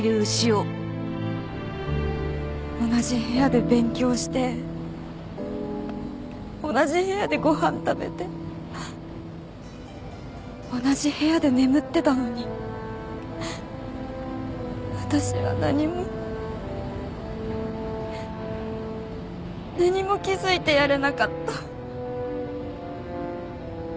同じ部屋で勉強して同じ部屋でご飯食べて同じ部屋で眠ってたのに私は何も何も気づいてやれなかった。